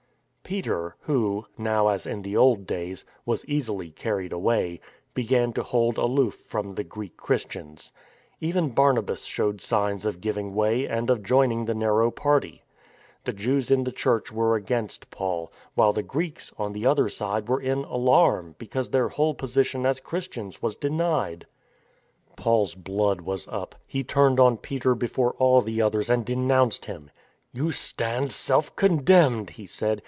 Peter, who — now, as in the old days — was easily carried away, began to hold aloof from the Greek Christians. Even Barnabas showed signs of giving way, and of joining the narrow party. The Jews in the Church were against Paul; while the Greeks, on the other side, were in alarm, because their whole position as Christians was denied. Paul's blood was up. He turned on Peter before al] the others and denounced him. " You stand self condemned," he said.